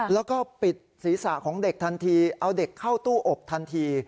แล้วก็ปิดศีรษะของเด็กทันทีเอาเด็กเข้าตู้อบทันที